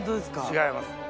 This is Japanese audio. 違います。